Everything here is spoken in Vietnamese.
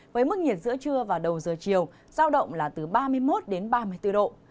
với mức nhiệt giữa trưa và đầu giờ chiều giao động là từ ba mươi một đến ba mươi bốn độ